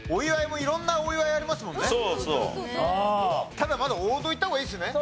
ただまだ王道いった方がいいですね